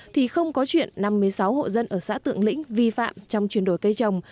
thì không có chuyện năm mươi sáu hộ dân ở xã tượng lĩnh vi phạm trong chuyển đổi cây trồng